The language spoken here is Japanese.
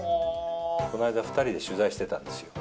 この間、２人で取材してたんですよ。